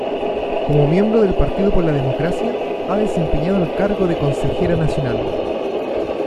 Como miembro del Partido por la Democracia, ha desempeñado el cargo de consejera nacional.